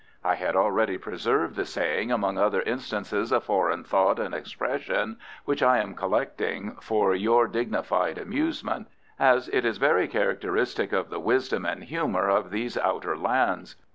I had already preserved the saying among other instances of foreign thought and expression which I am collecting for your dignified amusement, as it is very characteristic of the wisdom and humour of these Outer Lands.